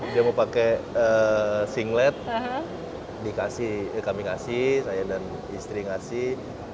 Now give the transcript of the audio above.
dia mau pakai singlet kami kasih saya dan istri ngasih